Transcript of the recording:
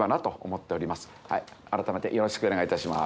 改めてよろしくお願いいたします。